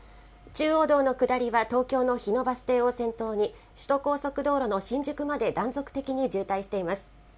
中央道の下りは東京の日野バス停を先頭に、首都高速道路の新宿まで断続的に渋滞しています。